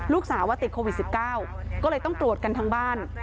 ลูกสาวว่าติดโควิด๑๙ก็เลยต้องตรวจกันทั้งบ้าน